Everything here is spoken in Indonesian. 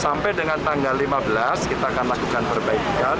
sampai dengan tanggal lima belas kita akan lakukan perbaikan